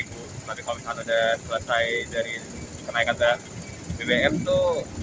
tapi kalau misalnya sudah selesai dari kenaikan bbm itu enam belas dua